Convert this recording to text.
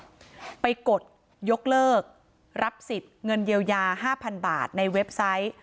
พี่สาวไปกดจบเลิกรับสิทธิ์เงินเยียวยา๕๐๐๐บาทในเว็บไซต์